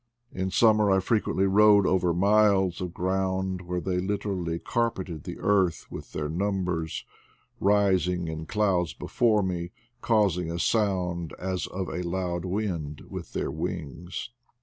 In summer I frequently rode over miles of ground where they literally carpeted the earth with their numbers, rising in clouds before me, causing a sound as of a loud wind with their wings.